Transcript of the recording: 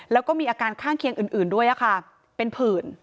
แล้วก็มีอาการข้างเคียงอื่นด้วยเป็นผื่น